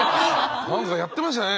何かやってましたね。